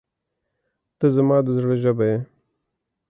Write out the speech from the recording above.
• ته زما د زړه ژبه یې.